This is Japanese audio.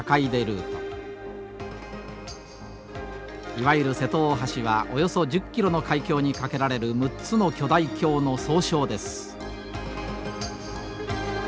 いわゆる瀬戸大橋はおよそ１０キロの海峡に架けられる６つの巨大橋の総称です。